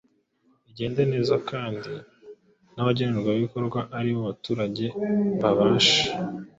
igende neza kandi n’abagenerwabikorwa ari bo baturage babashe